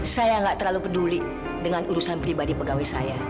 saya nggak terlalu peduli dengan urusan pribadi pegawai saya